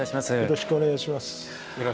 よろしくお願いします。